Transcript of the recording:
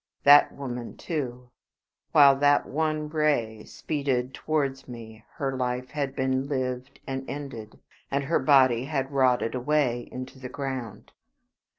That woman too. While that one ray speeded towards me her life had been lived and ended, and her body had rotted away into the ground.